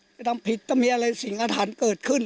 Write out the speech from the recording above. จะทำผิดจะมีอะไรสิงอาทันเกิดขึ้น